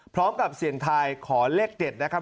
พร้อมกับเสี่ยงทายขอเลขเด็ดนะครับ